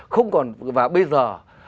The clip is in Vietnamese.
không còn và bây giờ